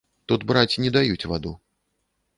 Тут браць не даюць ваду.